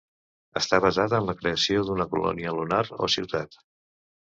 Està basat en la creació d'una colònia lunar o ciutat.